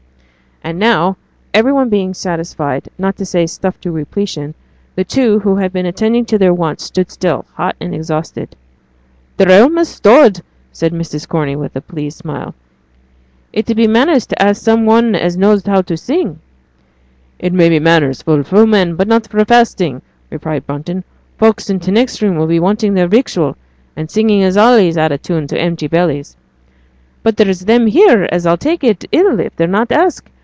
And now, every one being satisfied, not to say stuffed to repletion, the two who had been attending to their wants stood still, hot and exhausted. 'They're a'most stawed,' said Mrs. Corney, with a pleased smile. 'It'll be manners t' ask some one as knows how to sing.' 'It may be manners for full men, but not for fasting,' replied Brunton. 'Folks in t' next room will be wanting their victual, and singing is allays out o' tune to empty bellies.' 'But there's them here as 'll take it ill if they're not asked.